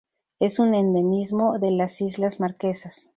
Es un endemismo de las islas Marquesas.